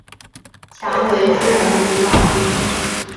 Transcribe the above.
强为之容即老君。